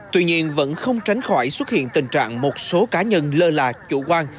tuy nhiên vẫn không tránh khỏi xuất hiện tình trạng một số cá nhân lơ là chủ quan